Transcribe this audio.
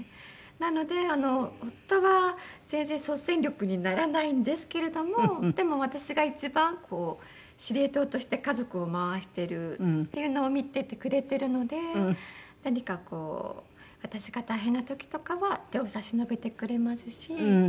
なので夫は全然即戦力にならないんですけれどもでも私が一番こう司令塔として家族を回してるっていうのを見ててくれてるので何かこう私が大変な時とかは手を差し伸べてくれますし。